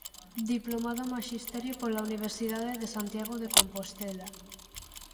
Diplomado en Maxisterio pola Universidade de Santiago de Compostela.